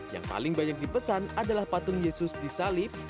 yang paling banyak dipesan adalah patung yesus di salib